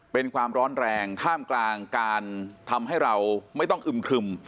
เป็นความร้อนแรงท่ามกลางการทำให้เราไม่ต้องอึมครึม